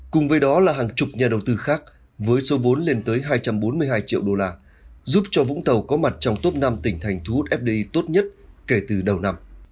cùng với đó là hàng chục nhà đầu tư khác với số vốn lên tới hai trăm bốn mươi hai triệu đô la giúp cho vũng tàu có mặt trong top năm tỉnh thành thu hút fdi tốt nhất kể từ đầu năm